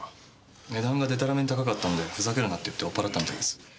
値段がデタラメに高かったんでふざけるなって言って追っ払ったみたいです。